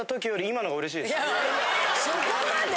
そこまで！？